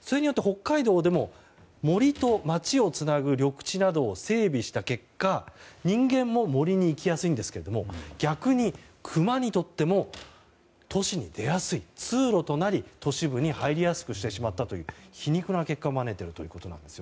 それによって北海道でも森と街をつなぐ緑地などを整備した結果人間も森に行きやすいんですけど逆にクマにとっても都市に出やすい通路となり、都市部に入りやすくしてしまったという皮肉な結果を招いているということです。